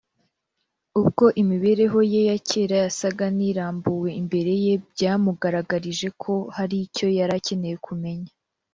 Ubwo imibereho ye ya kera yasaga n’irambuwe imbere ye, byamugaragarije ko hari icyo yari akeneye kumenya